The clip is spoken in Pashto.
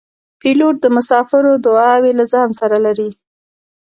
پیلوټ د مسافرو دعاوې له ځان سره لري.